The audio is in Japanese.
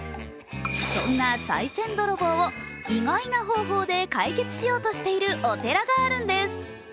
そんなさい銭泥棒を意外な方法で解決しようとしているお寺があるんです。